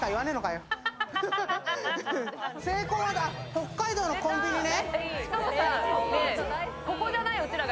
北海道のコンビニね。